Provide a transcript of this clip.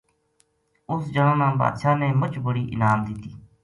اُس جنا نا بادشاہ نے مچ بڑی انعام دتی